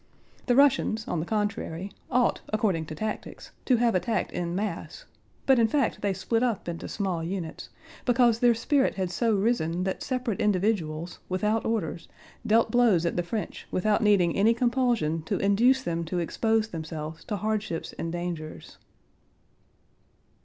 The Russians, on the contrary, ought according to tactics to have attacked in mass, but in fact they split up into small units, because their spirit had so risen that separate individuals, without orders, dealt blows at the French without needing any compulsion to induce them to expose themselves to hardships and dangers.